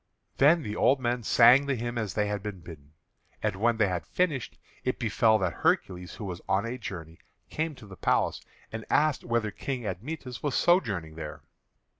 Then the old men sang the hymn as they had been bidden. And when they had finished, it befell that Hercules, who was on a journey, came to the palace and asked whether King Admetus was sojourning there.